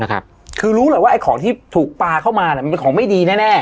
นะครับคือรู้เลยว่าไอ้ของที่ถูกปลาเข้ามาเนี้ยมันเป็นของไม่ดีแน่แน่